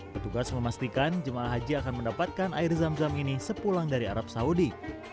petugas memastikan jemaah haji akan mendapatkan air zam zam ini sepulang dari arab saudi